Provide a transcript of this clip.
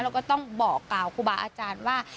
แล้วก็ต้องบอกกล่าวครูบาอาจารย์ว่า